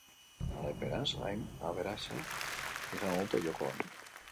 Garaipenaz gain aberage-a izango dute jokoan.